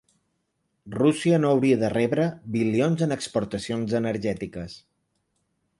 Rússia no hauria de rebre bilions en exportacions energètiques.